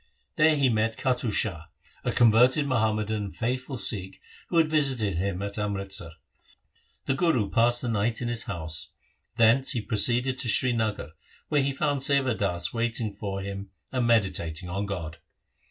There he met Kattu Shah, a converted Muhammadan and faithful Sikh who had visited him at Amritsar. The Guru passed a night in his house. Thence he pro ceeded to Srinagar, where he found Sewa Das waiting for him and meditating on God.